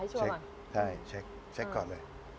เช็คได้เช็คก่อนเลย